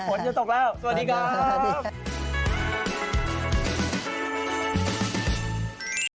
ฝนจะตกแล้วสวัสดีครับ